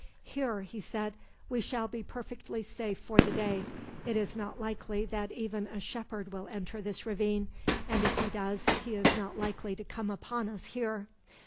"Here," he said, "we shall be perfectly safe for the day. It is not likely that even a shepherd will enter this ravine, and if he does, he is not likely to come upon us here.